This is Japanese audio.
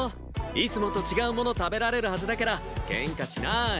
いつもと違うもの食べられるはずだから喧嘩しない。